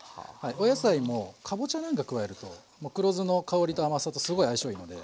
お野菜もかぼちゃなんか加えると黒酢の香りと甘さとすごい相性いいので。